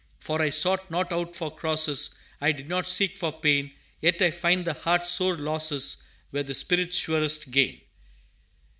For I sought not out for crosses, I did not seek for pain; Yet I find the heart's sore losses Were the spirit's surest gain."